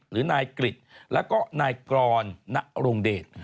หรือนายกริจแล้วก็นายกรอรณรงเดช